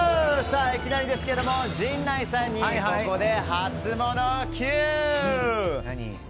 いきなりですけども陣内さんにここでハツモノＱ！